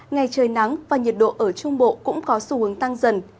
ngày trời nắng và nhiệt độ ở trung bộ cũng có xu hướng tăng dần